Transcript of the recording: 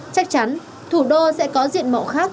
chắc chắn thủ đô sẽ có diện mộ khác